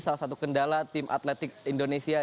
salah satu kendala tim atletik indonesia